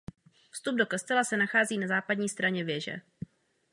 Vstup do kostela se nachází na západní straně věže.